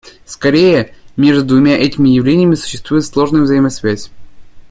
Скорее, между двумя этими явлениями существует сложная взаимозависимость.